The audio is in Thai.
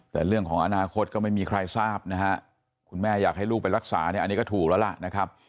แต่เรื่องของอนาคตก็ไม่มีใครทราบนะฮะคุณแม่อยากให้ลูกไปรักษาเนี่ยอันนี้ก็ถูกแล้วล่ะนะครับ